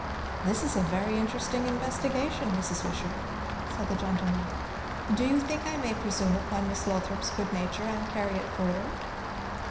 "This is a very interesting investigation, Mrs. Wishart," said the gentleman. "Do you think I may presume upon Miss Lothrop's good nature, and carry it further?"